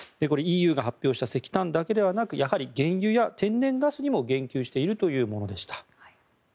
これ、ＥＵが発表した石炭だけではなくやはり原油や天然ガスにも言及しているというものでした。